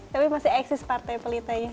tapi masih eksis partai pelitanya